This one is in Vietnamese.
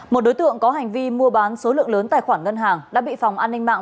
một đối tượng có hành vi mua bán số lượng lớn tài khoản ngân hàng đã bị phòng an ninh mạng